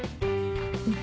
うん。